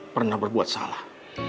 pernah berbuat salah